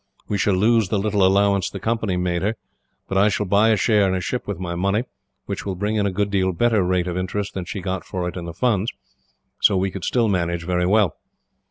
We shall lose the little allowance the Company made her, but I shall buy a share in a ship with my money, which will bring in a good deal better rate of interest than she got for it in the funds, so we could still manage very well.